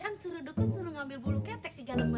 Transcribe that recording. kan suruh dukun suruh ngambil bulu ketek tiga lembar